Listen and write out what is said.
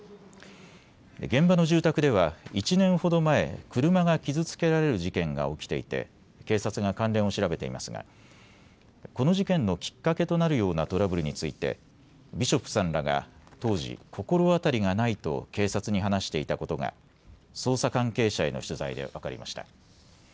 現場の住宅では１年ほど前、車が傷つけられる事件が起きていて警察が関連を調べていますがこの事件のきっかけとなるようなトラブルについてビショップさんらが当時、心当たりがないと警察に話していたことが捜査関係者への取材で分かりました。